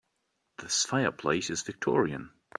This fireplace is victorian.